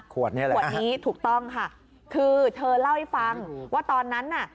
นี่แหละขวดนี้ถูกต้องค่ะคือเธอเล่าให้ฟังว่าตอนนั้นน่ะ